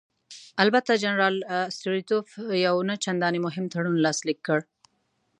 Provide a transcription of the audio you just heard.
البته جنرال ستولیتوف یو نه چندانې مهم تړون لاسلیک کړ.